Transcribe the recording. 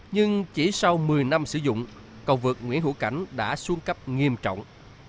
nhưng chỉ sau một mươi năm sử dụng cầu vượt nguyễn hữu cảnh đã xuống cấp nghiêm trọng